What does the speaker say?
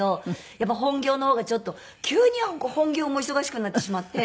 やっぱ本業の方がちょっと急に本業も忙しくなってしまって。